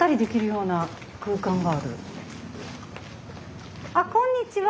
あっこんにちは。